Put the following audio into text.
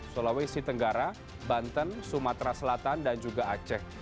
sulawesi tenggara banten sumatera selatan dan juga aceh